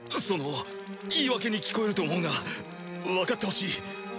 その言い訳に聞こえると思うがわかってほしい。